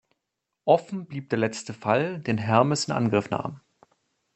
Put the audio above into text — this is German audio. Offen blieb der letzte Fall, den Hermes in Angriff nahm.